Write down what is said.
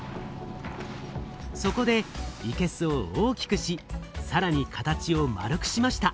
そこでいけすを大きくしさらに形を丸くしました。